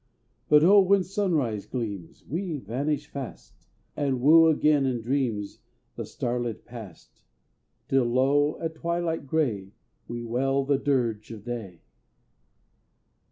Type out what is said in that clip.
But O, when sunrise gleams, We vanish fast, And woo again in dreams The starlit past, Till, lo! at twilight gray, We wail the dirge of day!